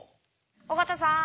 尾形さん。